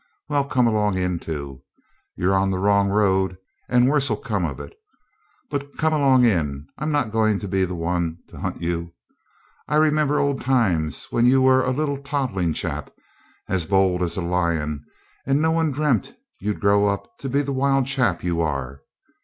Well, come along in too. You're on the wrong road, and worse 'll come of it. But come along in, I'm not going to be the one to hunt you. I remember old times when you were a little toddling chap, as bold as a lion, and no one dreamt you'd grow up to be the wild chap you are.